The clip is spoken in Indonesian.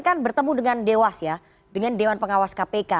kan bertemu dengan dewas ya dengan dewan pengawas kpk